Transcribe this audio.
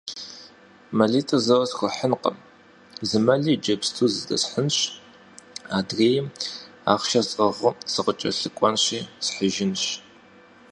МэлитӀри зэуэ схуэхьынкъым, зы мэлыр иджыпсту здэсхьынщ, адрейм, ахъшэри сӀыгъыу, сыкъыкӀэлъыкӀуэнщи схьыжынщ.